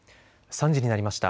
３時になりました。